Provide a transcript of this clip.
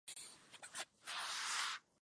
Finalmente, Ágata decidirá asesinarlo.